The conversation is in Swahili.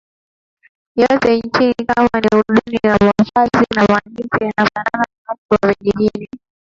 yote nchini kama ni uduni wa mavazi na malazi yanafanana na watu wa vijijini